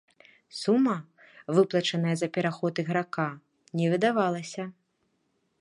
Сума, выплачаная за пераход іграка, не выдавалася.